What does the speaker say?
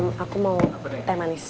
aku mau teh manis